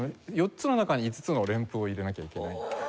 ４つの中に５つの連符を入れなきゃいけない。